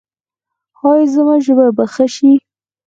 ایا زما ژبه به ښه شي؟